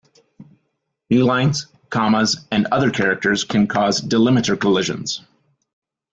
Newlines, commas, and other characters can cause delimiter collisions.